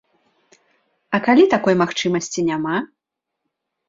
А калі такой магчымасці няма?